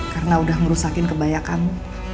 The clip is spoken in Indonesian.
karena udah ngerusakin kebaya kamu